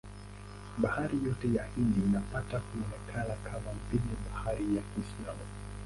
Bahari yote ya Hindi ilipata kuonekana kama vile bahari ya Kiislamu.